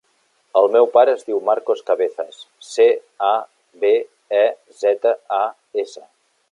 El meu pare es diu Marcos Cabezas: ce, a, be, e, zeta, a, essa.